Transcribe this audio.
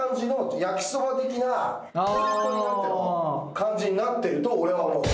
感じになってると俺は思う。